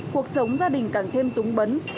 cuộc sống gia đình càng thêm túng bấn